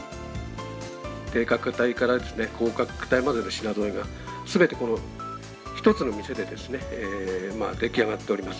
低価格帯から高価格帯までの品ぞろえが、すべてこの１つの店でですね、出来上がっております。